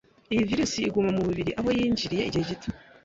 Iyi Virusi iguma ku mubiri aho yinjiriye igihe gito,